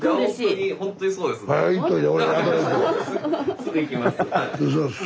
すぐ行きます。